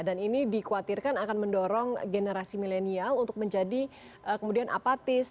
dan ini dikhawatirkan akan mendorong generasi milenial untuk menjadi apatis